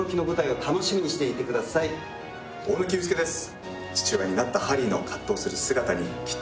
大貫勇輔です